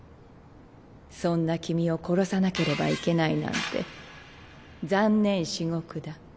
そんな君を殺さなければいけないなんて残念至極だ。